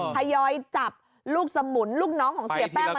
ทยอยจับลูกสมุนลูกน้องของเสียแป้งมา